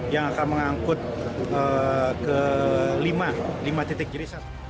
yang akan mengangkut ke lima titik jirisan